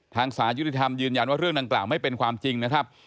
สารยุติธรรมยืนยันว่าเรื่องดังกล่าวไม่เป็นความจริงนะครับ